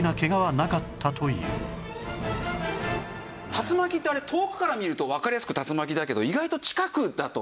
竜巻ってあれ遠くから見るとわかりやすく竜巻だけど意外と近くだと。